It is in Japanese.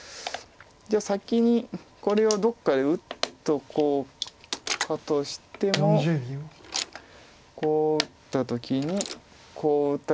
じゃあ先にこれをどっかで打っておこうかとしてもこう打った時にこう打って。